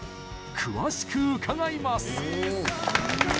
詳しく伺います。